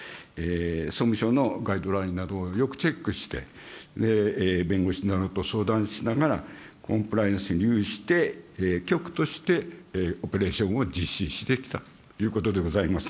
総務省のガイドラインなどをよくチェックして、弁護士などと相談しながら、コンプライアンスに留意して、局としてオペレーションを実施してきたということでございます。